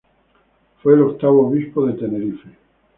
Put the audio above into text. Fue el octavo obispo de Tenerife.